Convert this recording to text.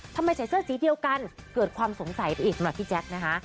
ใส่เสื้อสีเดียวกันเกิดความสงสัยไปอีกสำหรับพี่แจ๊คนะคะ